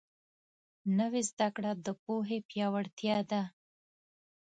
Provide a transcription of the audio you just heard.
نوې زده کړه د پوهې پیاوړتیا ده